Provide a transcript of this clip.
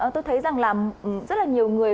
tôi thấy rằng là rất là nhiều người